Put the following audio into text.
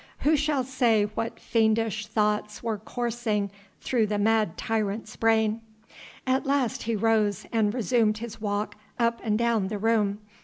Who shall say what fiendish thoughts were coursing through the mad tyrant's brain? At last he rose, and resumed his walk up and down the room.